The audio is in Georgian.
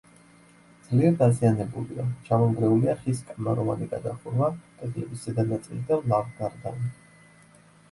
ძლიერ დაზიანებულია: ჩამონგრეულია ხის კამაროვანი გადახურვა, კედლების ზედა ნაწილი და ლავგარდანი.